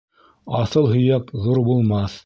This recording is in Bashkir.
Аҫыл һөйәк ҙур булмаҫ